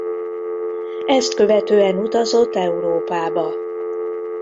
Ezt követően utazott Európába.